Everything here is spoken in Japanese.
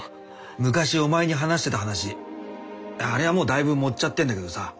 昔お前に話してた話あれはもうだいぶ盛っちゃってんだけどさ。